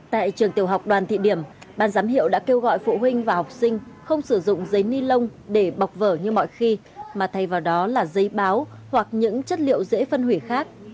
tại trường tiểu học đoàn thị điểm ban giám hiệu đã kêu gọi phụ huynh và học sinh không sử dụng giấy ni lông để bọc vở như mọi khi mà thay vào đó là giấy báo hoặc những chất liệu dễ phân hủy khác